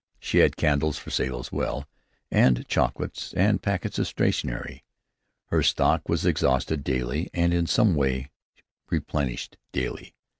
She had candles for sale as well, and chocolate, and packets of stationery. Her stock was exhausted daily, and in some way replenished daily.